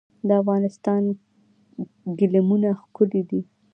د افغانستان ګلیمونه ښکلي دي